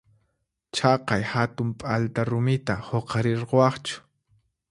Chaqay hatun p'alta rumita huqarirquwaqchu?